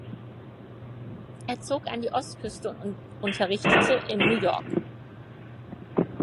Er zog an die Ostküste und unterrichtete in New York.